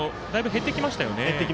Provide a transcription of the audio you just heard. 減ってきましたね。